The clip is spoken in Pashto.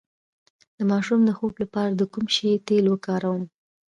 د ماشوم د خوب لپاره د کوم شي تېل وکاروم؟